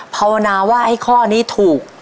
ภาวนาว่าไอ้ข้อนี้ถูก